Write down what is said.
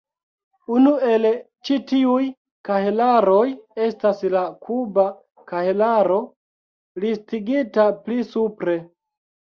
Unu el ĉi tiuj kahelaroj estas la "kuba kahelaro", listigita pli supre.